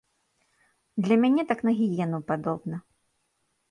Для мяне так на гіену падобна.